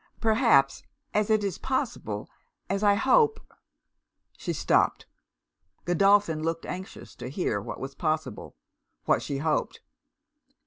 Perhaps as it is possible as I hope' She stopped. Godolphin looked anxious to hear what was possible, what she hoped.